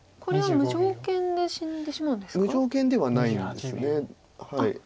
無条件ではないんです。